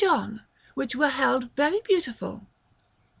John, which were held very beautiful.